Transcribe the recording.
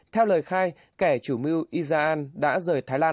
theo lời khai kẻ chủ mưu izan đã rời thái lan